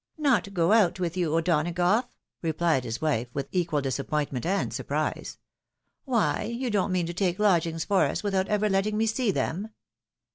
" Not go out with you, O'Donagough ?" exclaimed his wife, with equal disappointment and surprise. " Why, you don't mean to take lodgings for us, without ever letting me see them?